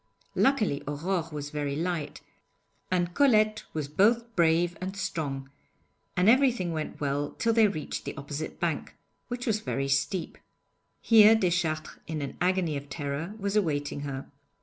Luckily Aurore was very light, and Colette was both brave and strong, and everything went well till they reached the opposite bank, which was very steep. Here Deschartres in an agony of terror, was awaiting her.